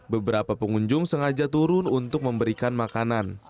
beberapa pengunjung sengaja turun untuk memberikan makanan